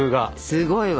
すごいわ。